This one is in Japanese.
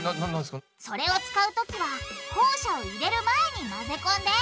それを使うときはホウ砂を入れる前に混ぜ込んで！